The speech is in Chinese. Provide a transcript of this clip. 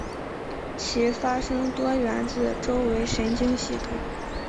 其发生多源自周围神经系统。